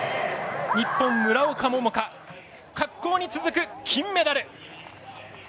日本、村岡桃佳滑降に続く金メダル！